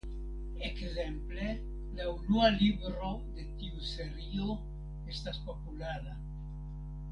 Ekzemple la unua libro de tiu serio estas populara.